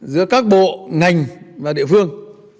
giữa các bộ ngành và địa phương